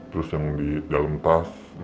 terus yang di dalam tas